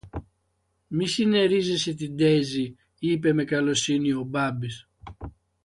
Μη συνερίζεσαι τη Ντέιζη, είπε με καλοσύνη ο Μπάμπης